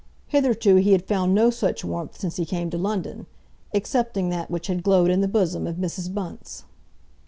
Hitherto he had found no such warmth since he came to London, excepting that which had glowed in the bosom of Mrs. Bunce.